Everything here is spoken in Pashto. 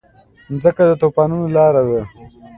مځکه د طوفانونو لاره ده.